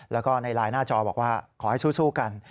แล้วก็ในไลน์หน้าจอบอกว่าขอให้สู้กัน